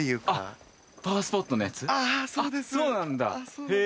そうなんだへぇ。